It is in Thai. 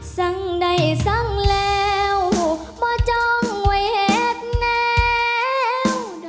สังใดสังแล้วบ่จ้องไว้เห็นแล้ว